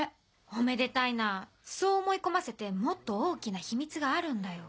おめでたいなそう思い込ませてもっと大きな秘密があるんだよ。